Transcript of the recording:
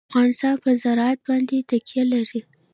افغانستان په زراعت باندې تکیه لري.